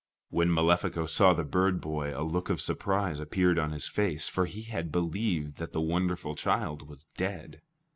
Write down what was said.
When Malefico saw the bird boy, a look of surprise appeared on his face, for he had believed that the wonderful child was dead.